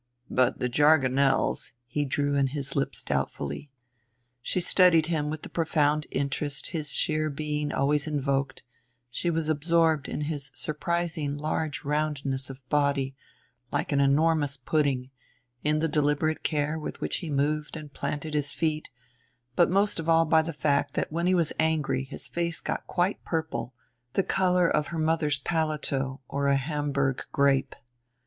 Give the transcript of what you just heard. "But the jargonelles " he drew in his lips doubtfully. She studied him with the profound interest his sheer being always invoked: she was absorbed in his surprising large roundness of body, like an enormous pudding; in the deliberate care with which he moved and planted his feet; but most of all by the fact that when he was angry his face got quite purple, the color of her mother's paletot or a Hamburg grape.